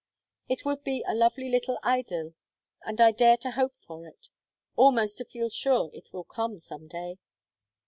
It would be a lovely little idyl, and I dare to hope for it; almost to feel sure it will come some day."